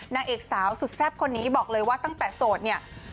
นางเอกสาวสุดแซ่บคนนี้บอกเลยว่าตั้งแต่โสดเนี่ย